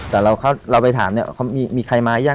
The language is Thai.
แต่เราไปถามมีใครมาอย่าง